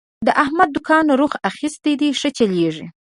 د احمد دوکان روخ اخستی دی، ښه چلېږي.